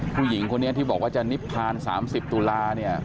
ผู้หญิงคนนี้ที่บอกว่าจะนิพพาน๓๐ตุลาเนี่ย